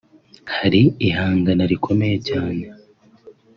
hari ihangana rikomeye cyane